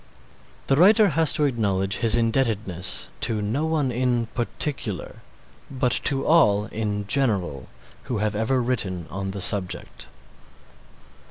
The writer has to acknowledge his indebtedness to no one in particular, but to all in general who have ever written on the subject.